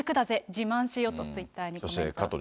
自慢しよ。とツイッターにコメント。